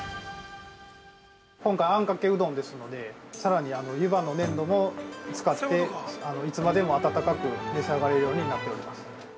◆今回、あんかけうどんですのでさらに湯葉の粘度も使って、いつでも温かく召し上がれるようになっております。